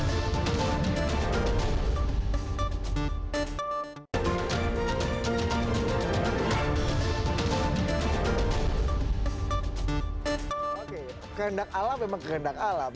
oke kehendak alam memang kehendak alam